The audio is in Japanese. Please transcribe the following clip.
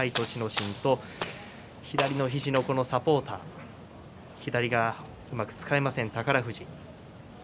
心と左の肘のサポーター左がうまく使えません、宝富士。